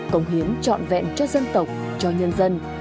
công hiến trọn vẹn cho dân tộc cho nhân dân